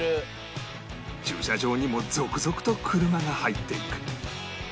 駐車場にも続々と車が入っていく